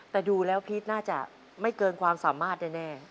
แต่ดูแล้วพีชน่าจะไม่เกินความสามารถแน่